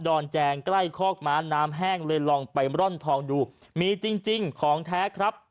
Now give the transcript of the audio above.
อนแจงใกล้คอกม้าน้ำแห้งเลยลองไปร่อนทองดูมีจริงจริงของแท้ครับ